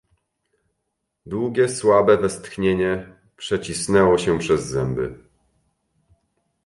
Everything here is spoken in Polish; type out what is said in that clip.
"Długie, słabe westchnienie przecisnęło się przez zęby."